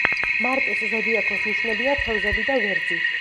მარტის ზოდიაქოს ნიშნებია თევზები და ვერძი.